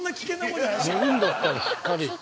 乗るんだったら、しっかり。